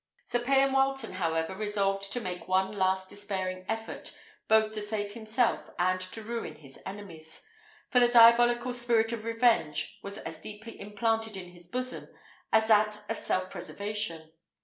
Sir Payan Wileton, however, resolved to make one last despairing effort both to save himself and to ruin his enemies; for the diabolical spirit of revenge was as deeply implanted in his bosom as that of self preservation.